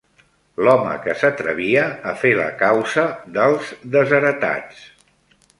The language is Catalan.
L'home que s'atrevia a fer la causa dels desheretats